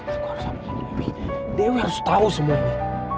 aku harus ambil ini dewi harus tau semua ini